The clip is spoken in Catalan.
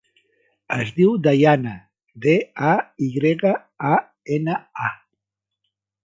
Es diu Dayana: de, a, i grega, a, ena, a.